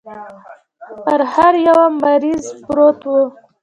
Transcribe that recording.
پر هر يوه مريض پروت و.